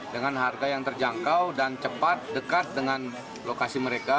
dengan harga yang terjangkau dan cepat dekat dengan lokasi mereka